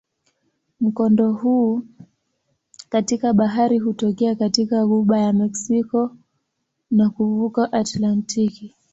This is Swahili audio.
Mkondo huu katika bahari hutokea katika ghuba ya Meksiko na kuvuka Atlantiki.